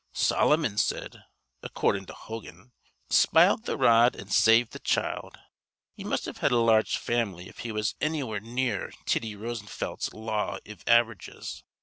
Solomon said, accordin' to Hogan, spile th' rod an' save th' child. He must've had a large famly if he was annywhere near Tiddy Rosenfelt's law iv av'rages.